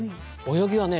泳ぎはね